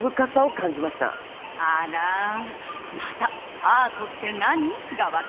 あらまた「アートって何！？」が分かったみたいね。